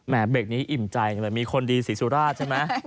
แหม่เบรกนี้อิ่มใจมีคนดีสิสุราชใช่ไหม